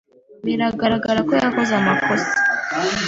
Biragaragara ko yakoze amakosa.